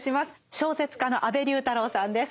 小説家の安部龍太郎さんです。